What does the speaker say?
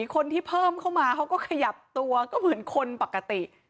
คนที่เพิ่มเข้ามาเขาก็ขยับตัวก็เหมือนคนปกติ